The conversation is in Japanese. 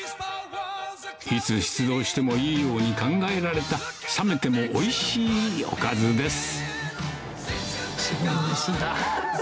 いつ出動してもいいように考えられた冷めてもおいしいおかずです